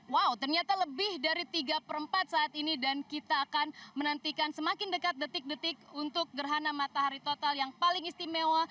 wow ternyata lebih dari tiga per empat saat ini dan kita akan menantikan semakin dekat detik detik untuk gerhana matahari total yang paling istimewa